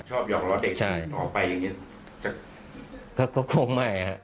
ชอบหยอกล้อเด็กต่อไปอย่างนี้